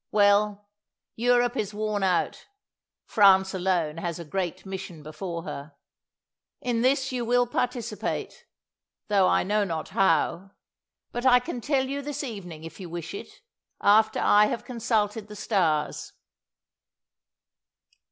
Well, Europe is worn out; France alone has a great mission before her; in this you will participate, though I know not how, but I can tell you this evening if you wish it, after I have consulted the stars."